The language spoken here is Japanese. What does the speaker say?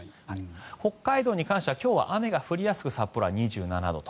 北海道に関しては今日は雨が降りやすく札幌は２７度と。